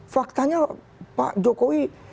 faktanya pak jokowi